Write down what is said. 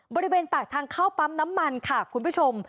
บริเวณปากทางเข้าปั๊มน้ำมันค่ะคุณผู้ชม